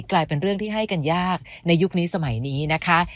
กลายเป็นเรื่องที่ให้กันยากในยุคนี้สมัยนี้นะคะ